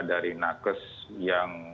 dari nakes yang